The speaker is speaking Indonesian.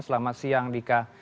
selamat siang dika